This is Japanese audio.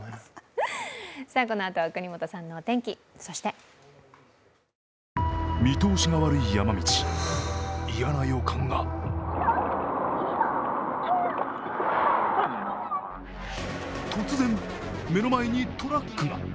このあとは國本さんのお天気そして見通しが悪い山道、いやな予感が突然、目の前にトラックが。